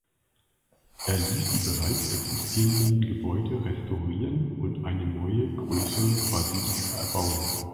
Er ließ die bereits existierenden Gebäude restaurieren und eine neue, größere Basilika erbauen.